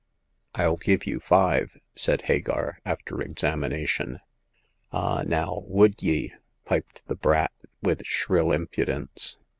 " rU give you five," said Hagar, after exami nation. 'Ah, now, would ye ?*' piped the brat, wuth shrill impudence.